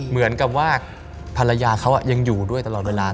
เหมือนกับว่าภรรยาเขายังอยู่ด้วยตลอดเวลา